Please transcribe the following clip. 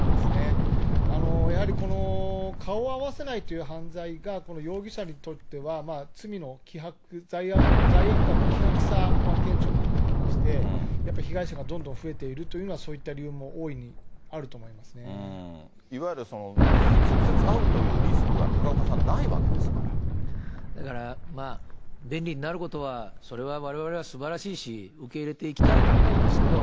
やはりこの顔を合わせないという犯罪が、容疑者にとっては罪の希薄、罪悪感の希薄さが顕著になってきまして、やっぱり被害者がどんどん増えているというのは、そういった理由も大いにあると思いますいわゆる直接会うというリスだから、便利になることは、それはわれわれはすばらしいし、受け入れていきたいとは思うんですけど。